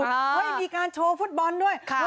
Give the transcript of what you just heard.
มีการโชว์ฟุตบอลด้วย